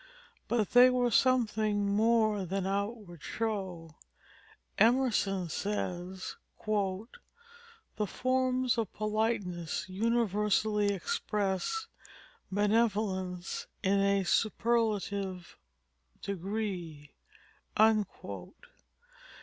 But they were something more than outward show. Emerson says, "The forms of politeness universally express benevolence in a superlative degree."